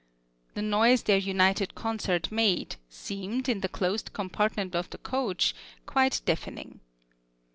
The noise their united concert made, seemed, in the closed compartment of the coach, quite deafening.